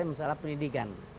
yang ketiga masalah pendidikan